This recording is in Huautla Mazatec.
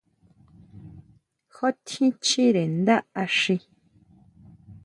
¿Ju tjín chire ndá axi?